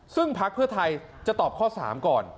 ซึ่งพักเพื่อไทยจะตอบข้อ๓ก่อน